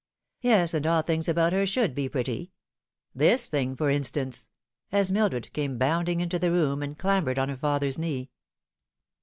" Yes, and all things about her should be pretty. This thing, for instance," as Mildred came bounding into the room, and clambered on her father's knee.